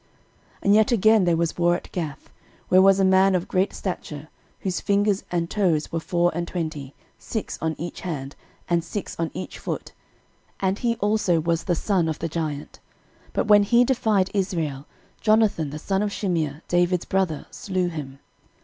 13:020:006 And yet again there was war at Gath, where was a man of great stature, whose fingers and toes were four and twenty, six on each hand, and six on each foot and he also was the son of the giant. 13:020:007 But when he defied Israel, Jonathan the son of Shimea David's brother slew him.